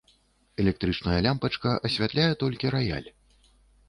Электрычная лямпачка асвятляе толькі раяль.